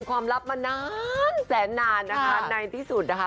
ความลับมานานแสนนานนะคะในที่สุดนะคะ